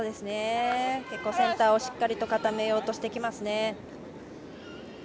センターをしっかり固めようとしてきます。